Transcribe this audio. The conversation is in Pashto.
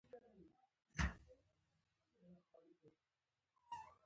څوک چې خپل وخت بې ځایه تېروي، په ژوند کې به وروسته پاتې شي.